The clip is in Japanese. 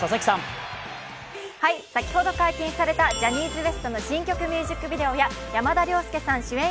先ほど解禁されたジャニーズＷＥＳＴの新曲ミュージックビデオや山田涼介さん主演